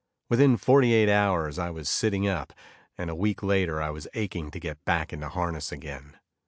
Within forty eight hours, I was sitting up, and a week later I was aching to get back into harness again.